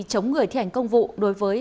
chống người thi hành công vụ đối với